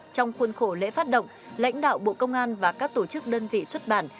trong khuôn khổ lễ phát động lãnh đạo bộ công an và các tổ chức đơn vị xuất bản